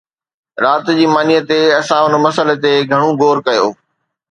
رات جي مانيءَ تي اسان ان مسئلي تي گهڻو غور ڪيو